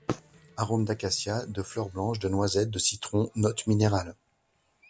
Arômes d'acacia, de fleurs blanches, de noisettes, de citron, notes minérales.